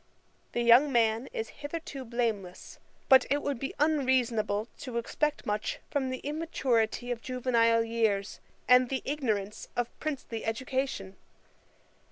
The young man is hitherto blameless; but it would be unreasonable to expect much from the immaturity of juvenile years, and the ignorance of princely education.